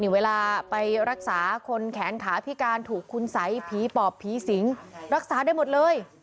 เวลาไปรักษาคนแขนขาพิการถูกคุณสัยผีปอบผีสิงรักษาได้หมดเลย